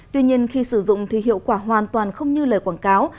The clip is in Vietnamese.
tuy nhiên khi sử dụng thì hiệu quả hoàn toàn không như lời quảng cáo